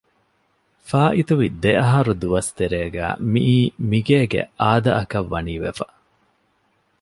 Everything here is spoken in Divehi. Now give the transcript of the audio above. ފާއިތުވި ދެއަހަރު ދުވަސް ތެރޭގައި މިއީ މިގޭގެ އާދައަކަށް ވަނީ ވެފަ